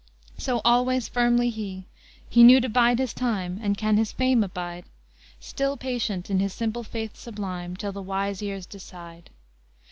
So always firmly he: He knew to bide his time, And can his fame abide, Still patient in his simple faith sublime, Till the wise years decide.